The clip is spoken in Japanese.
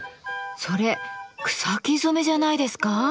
それ草木染めじゃないですか？